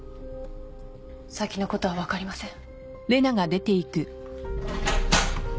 先のことは分かりません。